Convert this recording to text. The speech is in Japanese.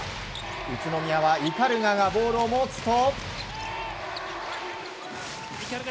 宇都宮は鵤がボールを持つと。